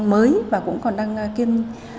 mới và cũng còn đang kiêm